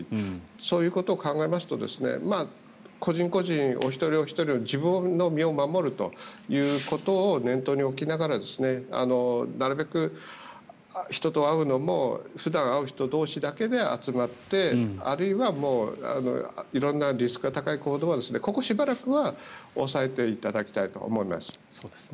そういうことを考えますと個人個人、お一人お一人が自分の身を守るということを念頭に置きながらなるべく人と会うのも普段会う人同士だけで集まってあるいは色んなリスクが高い行動はここしばらくは抑えていただきたいと思います。